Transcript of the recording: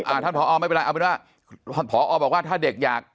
ท่านผอไม่เป็นไรเอาเป็นว่าพอบอกว่าถ้าเด็กอยาก